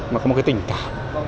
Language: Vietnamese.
nó có một cái tình cảm